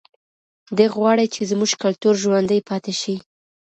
دی غواړي چې زموږ کلتور ژوندی پاتې شي.